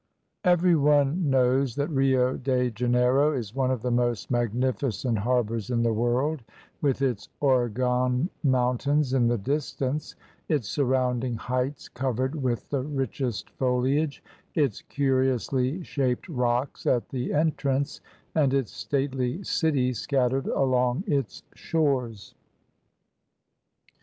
Every one knows that Rio de Janeiro is one of the most magnificent harbours in the world, with its Organ mountains in the distance, its surrounding heights covered with the richest foliage, its curiously shaped rocks at the entrance, and its stately city scattered along its shores.